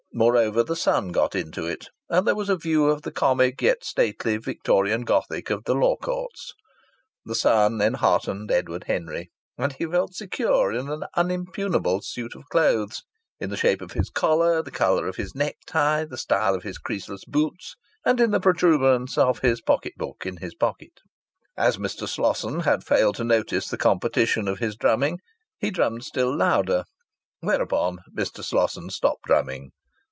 Moreover, the sun got into it, and there was a view of the comic yet stately Victorian Gothic of the Law Courts. The sun enheartened Edward Henry. And he felt secure in an unimpugnable suit of clothes; in the shape of his collar, the colour of his necktie, the style of his creaseless boots; and in the protuberance of his pocket book in his pocket. As Mr. Slosson had failed to notice the competition of his drumming, he drummed still louder. Whereupon Mr. Slosson stopped drumming.